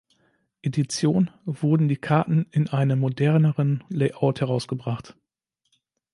Edition" wurden die Karten in einem moderneren Layout herausgebracht.